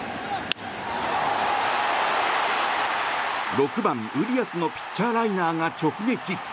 ６番、ウリアスのピッチャーライナーが直撃。